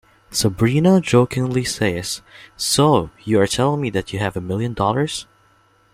Sabrina jokingly says So you are telling me that you have a million dollars?